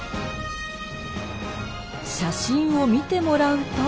写真を見てもらうと。